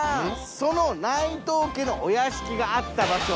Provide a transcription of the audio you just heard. その内藤家のお屋敷があった場所